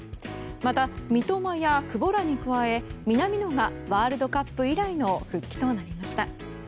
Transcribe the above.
また、三笘や久保らに加え南野がワールドカップ以来の復帰となりました。